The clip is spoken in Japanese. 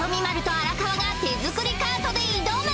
○と荒川が手造りカートで挑む！